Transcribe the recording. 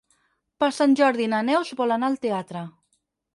Per Sant Jordi na Neus vol anar al teatre.